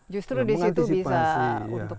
justru disitu bisa untuk